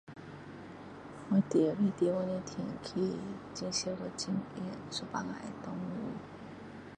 我住的地方天气很热有时候会下雨